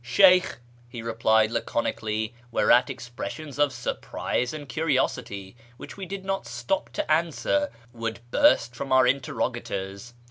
" Sheykh," he replied laconically ; whereat expressions of surprise and curiosity, which we did not stop to answer, would burst from our interrogators.